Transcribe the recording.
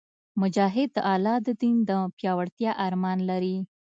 مجاهد د الله د دین د پیاوړتیا ارمان لري.